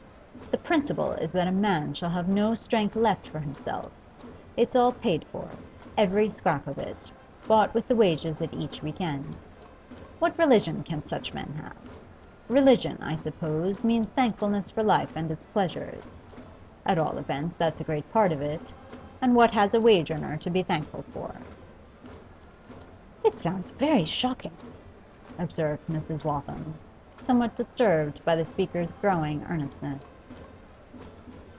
The principle is that a man shall have no strength left for himself; it's all paid for, every scrap of it, bought with the wages at each week end. What religion can such men have? Religion, I suppose, means thankfulness for life and its pleasures at all events, that's a great part of it and what has a wage earner to be thankful for?' 'It sounds very shocking,' observed Mrs. Waltham, somewhat disturbed by the speaker's growing earnestness.